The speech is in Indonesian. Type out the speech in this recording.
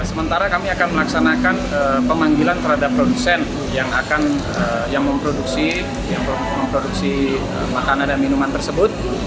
sementara kami akan melaksanakan pemanggilan terhadap produsen yang memproduksi makanan dan minuman tersebut